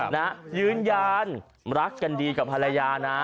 นะยืนยันรักกันดีกับภรรยานะ